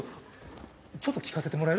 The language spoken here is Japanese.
ちょっと聴かせてもらえる？